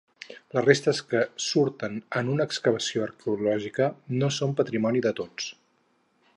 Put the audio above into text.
Les restes que surten en una excavació arqueològica no són patrimoni de tots.